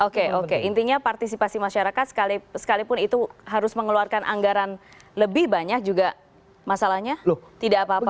oke oke intinya partisipasi masyarakat sekalipun itu harus mengeluarkan anggaran lebih banyak juga masalahnya tidak apa apa